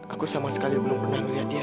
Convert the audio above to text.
aku sama sekali belum pernah melihat dia